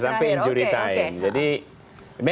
sampai injury time